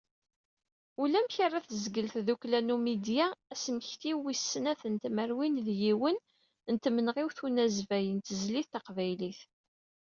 Ulamek ara tezgel tdukkla Numidya asmekti wis snat n tmerwin d yiwen n tmenɣiwt n unazbay n tezlit taqbaylit.